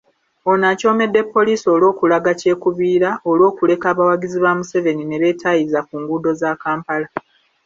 Ono acoomedde poliisi olw'okulaga kyekubiira olw'okuleka abawagizi ba Museveni nebeetaayiza ku nguudo za Kampala